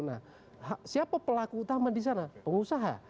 nah siapa pelaku utama disana pengusaha